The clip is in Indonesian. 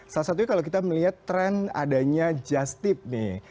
salah satunya kalau kita melihat tren adanya just tip nih